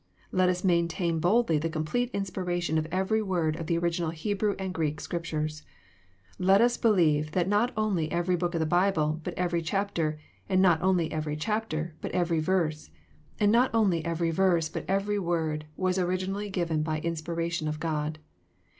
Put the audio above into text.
Let us maintain boldly the complete inspiration of every word of the original Hebrew and Greek Scriptures. Letns believe that not only every book of the Bible, but every chapter, — and not only every chapter, but every verse,— and not only every verse, but every word, was originally given by inspiration of God.